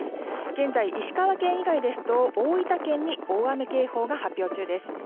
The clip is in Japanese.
現在、石川県以外ですと大分県に大雨警報が発表中です。